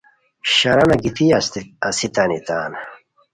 شرانہ گیتی استانی تان